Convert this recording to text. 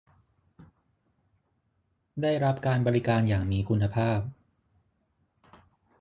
ได้รับการบริการอย่างมีคุณภาพ